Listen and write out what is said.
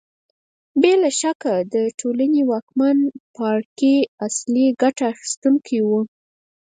بې له شکه د ټولنې واکمن پاړکي اصلي ګټه اخیستونکي وو